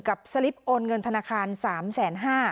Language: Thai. กับสลิปโอนเงินธนาคาร๓แสน๕